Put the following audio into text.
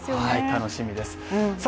楽しみですさあ